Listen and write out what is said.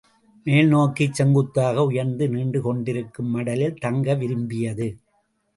மேல்நோக்கிச் செங்குத்தாக உயர்ந்து நீண்டு கொண்டிருக்கும் மடலிலே தங்க விரும்பியது.